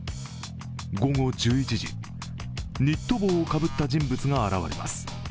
午後１１時、ニット帽をかぶった人物が現れます。